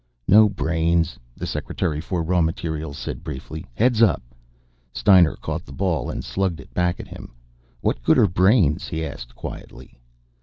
"No brains," the Secretary for Raw Materials said briefly. "Heads up!" Steiner caught the ball and slugged it back at him. "What good are brains?" he asked quietly.